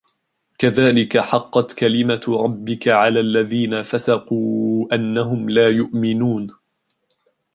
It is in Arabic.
كذلك حقت كلمت ربك على الذين فسقوا أنهم لا يؤمنون